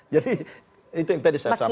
jadi itu yang tadi saya sampaikan